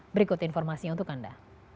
berikut informasinya untuk anda